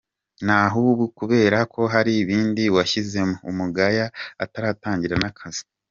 Nahubu kubera ko haribindi wishyizemo, umugaya ataratangira nakazi.